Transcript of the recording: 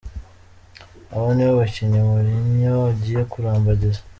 Aba nibo bakinnyi Mourinho agiye kurambagiza.